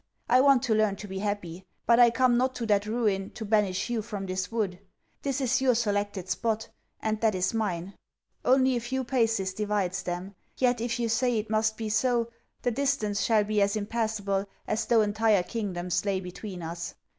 I want to learn to be happy. But I come not to that Ruin, to banish you from this wood. This is your selected spot; and that is mine. Only a few paces divides them. Yet, if you say it must be so, the distance shall be as impassable as though entire kingdoms lay between us.